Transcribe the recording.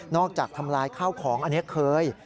อกจากทำลายข้าวของอันนี้เคย